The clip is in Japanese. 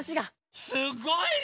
すごいね。